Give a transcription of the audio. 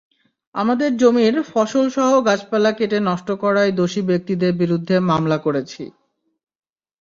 আমাদের জমির ফসলসহ গাছপালা কেটে নষ্ট করায় দোষী ব্যক্তিদের বিরুদ্ধে মামলা করেছি।